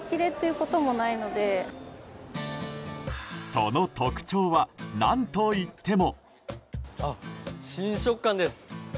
その特徴は何といっても。